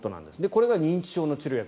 これが認知症の治療薬。